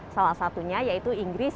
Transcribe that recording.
salah satunya yaitu inggris